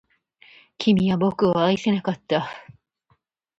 君は僕を愛せなかった